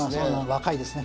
若いですね。